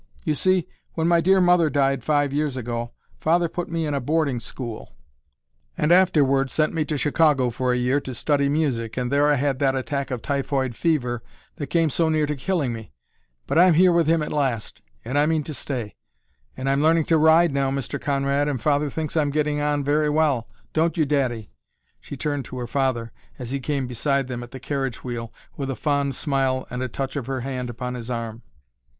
You see, when my dear mother died five years ago, father put me in a boarding school, and afterward sent me to Chicago for a year to study music, and there I had that attack of typhoid fever that came so near to killing me. But I'm here with him at last, and I mean to stay. And I'm learning to ride now, Mr. Conrad, and father thinks I'm getting on very well; don't you, daddy?" She turned to her father, as he came beside them at the carriage wheel, with a fond smile and a touch of her hand upon his arm.